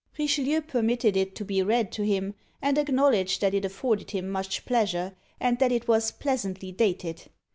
Richelieu permitted it to be read to him, and acknowledged that it afforded him much pleasure, and that it was pleasantly dated.